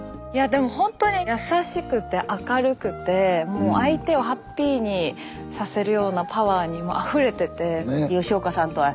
でもほんとに優しくて明るくてもう相手をハッピーにさせるようなパワーにもうあふれてて。